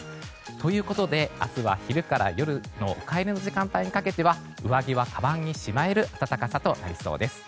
ということで明日は、昼から夜のお帰りの時間帯にかけては上着はかばんにしまえる暖かさとなりそうです。